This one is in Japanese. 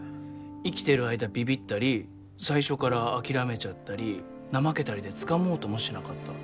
生きてる間びびったり最初から諦めちゃったり怠けたりでつかもうともしなかった